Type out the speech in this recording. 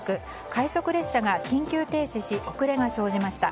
快速列車が緊急停止し遅れが生じました。